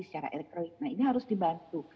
secara elektronik nah ini harus dibantu